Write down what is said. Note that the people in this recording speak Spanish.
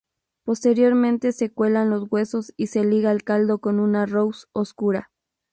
Posteriormente se cuelan los huesos y se liga el caldo con una roux oscura.